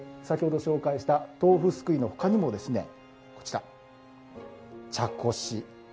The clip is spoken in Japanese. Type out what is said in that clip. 先ほど紹介した豆腐すくいのほかにもですねこちら茶こし。